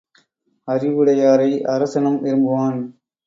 அறிவுடையாரை அரசனும் விரும்புவான்.